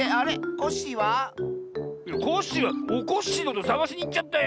コッシーはおこっしぃのことさがしにいっちゃったよ。